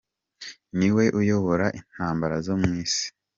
Niwe uyobora Intambara zo mu isi.